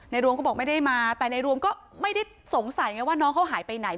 รวมก็บอกไม่ได้มาแต่ในรวมก็ไม่ได้สงสัยไงว่าน้องเขาหายไปไหน